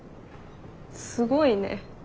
すごいね。